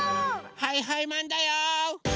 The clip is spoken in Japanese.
はいはいマンだよ！